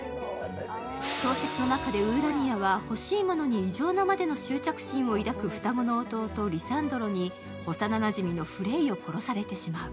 小説の中でウーラニアは欲しいものに異常なまでの執着心を抱く双子の弟、リサンドロにおさなじみのフレイを殺されてしまう。